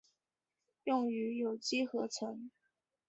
用于有机合成。